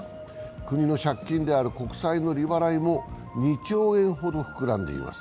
国の借金である国債の利払いも２兆円ほど膨らんでいます。